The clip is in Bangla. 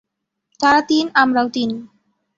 তারা তিন আমরাও তিন!